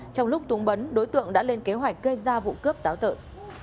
trong lúc túng bấn đối tượng đã lên kế hoạch gây ra vụ cướp táo tợn